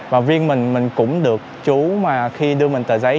và viên mình mình cũng được chú mà khi đưa mình tờ giấy